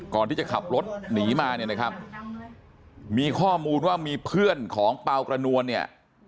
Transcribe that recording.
ก่อนที่จะขับรถหนีมาเนี่ยนะครับมีข้อมูลว่ามีเพื่อนของเปล่ากระนวลเนี่ย